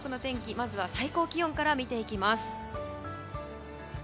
まず最高気温から見ていきます。